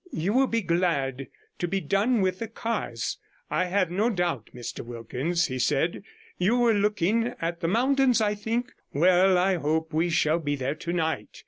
'You will be glad to be done with the cars, I have no 22 doubt, Mr Wilkins,' he said. 'You were looking at the mountains, I think? Well, I hope we shall be there tonight.